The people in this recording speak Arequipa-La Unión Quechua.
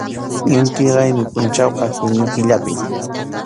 Inti raymi pʼunchawqa junio killapim.